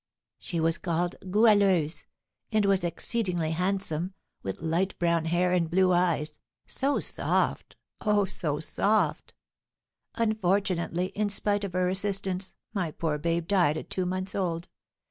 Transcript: "She was called Goualeuse, and was exceedingly handsome, with light brown hair and blue eyes, so soft oh, so soft! Unfortunately, in spite of her assistance, my poor babe died at two months old.